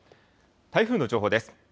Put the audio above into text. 台風の情報です。